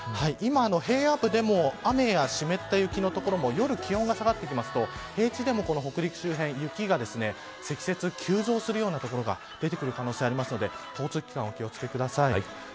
今、平野部でも、雨や湿った雪の所でも夜気温が下がってくると平地でも北陸周辺、雪が積雪が急増するような所が出てくる可能性がありますので交通機関、お気を付けください。